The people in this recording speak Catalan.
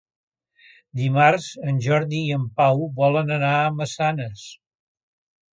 Dimarts en Jordi i en Pau volen anar a Massanes.